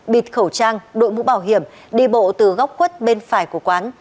bịt khẩu trang đội mũ bảo hiểm đi bộ từ góc quất bên phải của quán